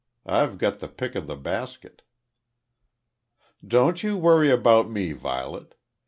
I've got the pick of the basket." "Don't you worry about me, Violet.